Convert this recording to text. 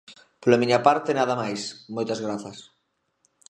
Pola miña parte nada máis, moitas grazas.